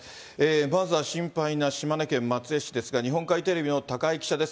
まずは心配な島根県松江市ですが、日本海テレビの高井記者です。